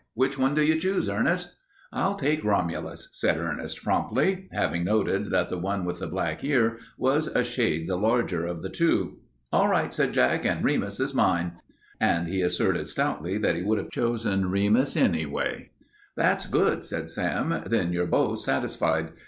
"Which one do you choose, Ernest?" "I'll take Romulus," said Ernest promptly, having noted that the one with the black ear was a shade the larger of the two. "All right," said Jack, "and Remus is mine." And he asserted stoutly that he would have chosen Remus anyway. "That's good," said Sam. "Then you're both satisfied.